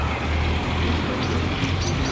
এসো, বেটি, তুমি আমাদের বৌমা।